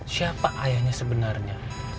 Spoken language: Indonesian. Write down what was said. siapa ayahnya sebenarnya